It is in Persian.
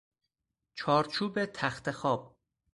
چارچوب تختخواب